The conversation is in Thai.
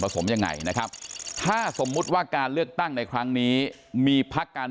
สมยังไงนะครับถ้าสมมุติว่าการเลือกตั้งในครั้งนี้มีพักการ